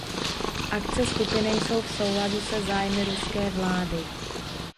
Akce skupiny jsou v souladu se zájmy ruské vlády.